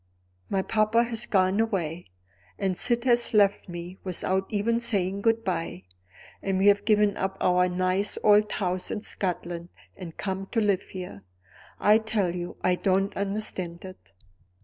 My papa has gone away and Syd has left me without even saying good by, and we have given up our nice old house in Scotland and come to live here. I tell you I don't understand it.